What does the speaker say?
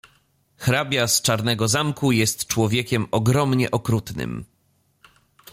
"Hrabia z Czarnego zamku jest człowiekiem ogromnie okrutnym."